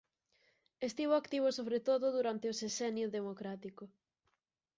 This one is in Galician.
Estivo activo sobre todo durante o Sexenio Democrático.